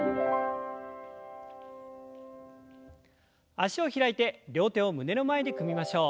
脚を開いて両手を胸の前で組みましょう。